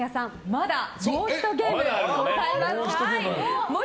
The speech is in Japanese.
まだもう１ゲームありますよ。